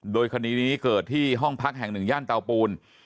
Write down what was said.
โดยคดีนี้เกิดที่ห้องพักแห่งหนึ่งย่านเตาปูน